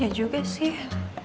ya juga sih